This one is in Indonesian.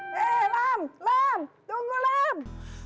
hei mam mam tunggu lam